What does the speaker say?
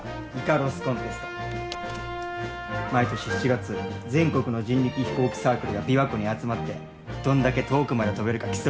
毎年７月全国の人力飛行機サークルが琵琶湖に集まってどんだけ遠くまで飛べるか競うんや。